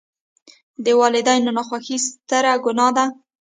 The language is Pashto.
د والداینو ناخوښي ستره ګناه ده.